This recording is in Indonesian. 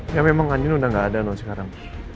ya memang andin udah gak ada sekarang